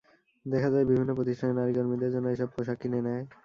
দেখা যায় বিভিন্ন প্রতিষ্ঠান নারী কর্মীদের জন্য এসব পোশাক কিনে নেয়।